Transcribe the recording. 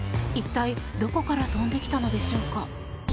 一体、どこから飛んできたのでしょうか。